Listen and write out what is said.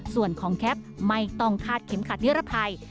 ส่วนของแคปไม่ต้องคาดเข็มขัดนิรภัย